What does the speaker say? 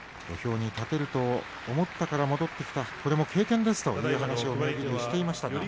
土俵に立てると思ったから戻ってきた、これも経験ですという話をしていました。